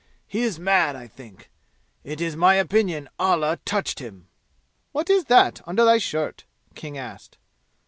He is mad, I think. It is my opinion Allah touched him!" "What is that, under thy shirt?" King asked.